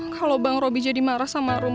kalo bang robby jadi marah sama rom